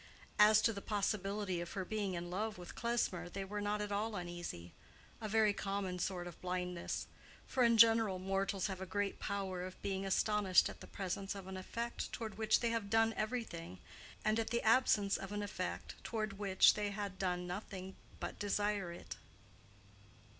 As to the possibility of her being in love with Klesmer they were not at all uneasy—a very common sort of blindness. For in general mortals have a great power of being astonished at the presence of an effect toward which they have done everything, and at the absence of an effect toward which they had done nothing but desire it.